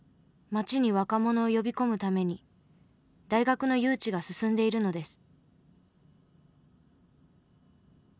街に若者を呼び込むために大学の誘致が進んでいるのです。